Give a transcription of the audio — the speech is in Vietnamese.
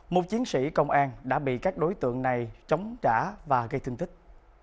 một chiến sĩ công an đã bị các đối tượng này chống trả và gây thương tích